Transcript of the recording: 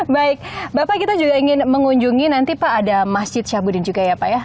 baik bapak kita juga ingin mengunjungi nanti pak ada masjid syahbudin juga ya pak ya